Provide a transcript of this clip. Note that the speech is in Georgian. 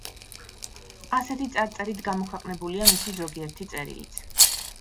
ასეთი წარწერით გამოქვეყნებულია მისი ზოგიერთი წერილიც.